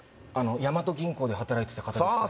ヤマト銀行で働いていた方ですかね